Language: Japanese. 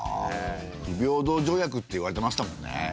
不平等条約っていわれてましたもんね。